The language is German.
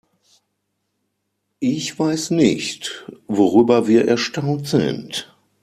Ich weiß nicht, worüber wir erstaunt sind.